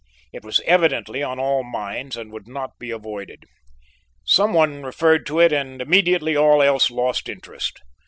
It was evidently on all minds and would not be avoided. Some one referred to it and immediately all else lost interest.